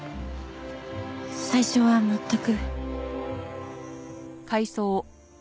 最初は全く。